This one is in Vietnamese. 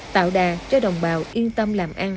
tạo đà cho đồng bào yên tâm làm ăn